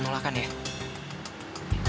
nggak ada yang peduli sama gue